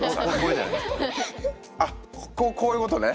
あっこういうことね？